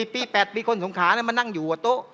ปี๘ปีคนสงขามานั่งอยู่หัวโต๊ะ